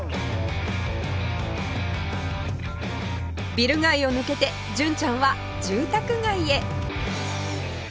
ビル街を抜けて純ちゃんは住宅街へ